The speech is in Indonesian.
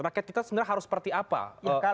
rakyat kita sebenarnya harus seperti apa